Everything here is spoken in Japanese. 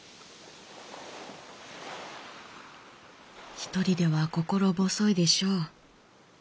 「ひとりでは心細いでしょう。